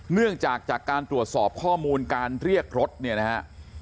เนื่องจากจากการตรวจสอบข้อมูลการเรียกรถเนี่ยนะฮะ